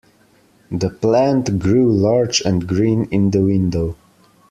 The plant grew large and green in the window.